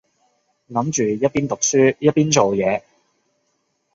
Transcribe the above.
諗住一邊讀書一邊做嘢